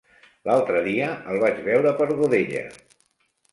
L'altre dia el vaig veure per Godella.